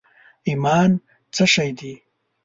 ایمان څه شي دي؟